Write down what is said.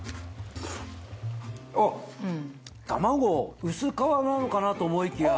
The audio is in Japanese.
あっ玉子薄皮なのかなと思いきや。